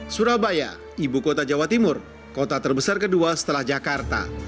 surabaya ibu kota jawa timur kota terbesar kedua setelah jakarta